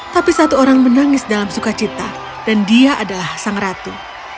tapi satu orang menangis dalam sukacita dan dia adalah sang ratu